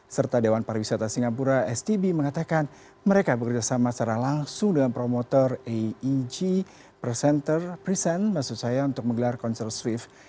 serta dewan pariwisata singapura stb mengatakan mereka bekerjasama secara langsung dengan promotor aeg presenter present maksud saya untuk menggelar konser swift